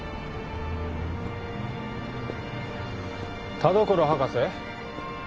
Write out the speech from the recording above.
田所博士？